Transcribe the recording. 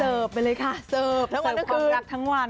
เสิร์ฟไปเลยค่ะเสิร์ฟความรักทั้งวัน